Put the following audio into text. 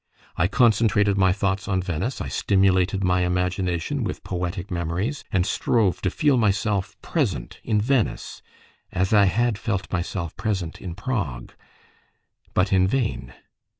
I concentrated my thoughts on Venice; I stimulated my imagination with poetic memories, and strove to feel myself present in Venice, as I had felt myself present in Prague. But in vain.